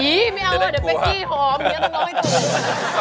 อีไม่เอาล่ะเดี๋ยวแป๊กกี้หอมยังต้องร้องให้ถูก